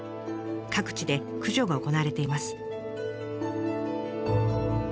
各地で駆除が行われています。